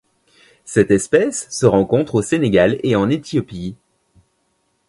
Cette espèce se rencontre au Sénégal et en Éthiopie.